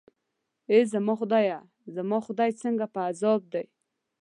ای زما خدایه، زما خدای، څنګه په عذاب دی.